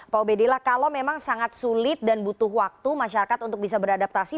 pak ubedillah kalau memang sangat sulit dan butuh waktu masyarakat untuk bisa beradaptasi